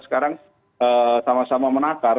sekarang sama sama menakar